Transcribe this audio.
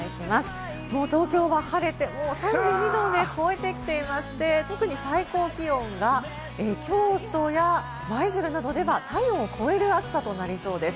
東京は晴れて、もう３２度を超えてきていまして、特に最高気温が京都や舞鶴などでは体温を超える暑さとなりそうです。